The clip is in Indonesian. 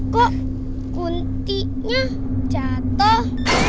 kok kuntinya jatuh